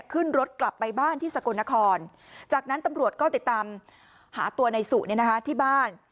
ขึ้นรถกลับไปบ้านที่สกลนครจากนั้นตำรวจก็ติดตามหาตัวในสุที่บ้าน